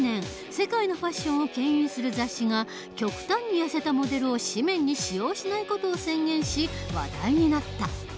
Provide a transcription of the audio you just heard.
世界のファッションをけん引する雑誌が極端にやせたモデルを紙面に使用しない事を宣言し話題になった。